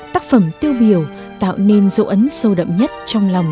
tác phẩm tiêu biểu tạo nên dấu ấn sâu đậm nhất trong lòng